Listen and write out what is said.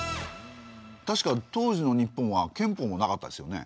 確か当時の日本は憲法もなかったですよね。